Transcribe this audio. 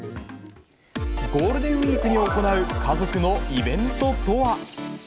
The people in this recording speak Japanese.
ゴールデンウィークに行う家族のイベントとは。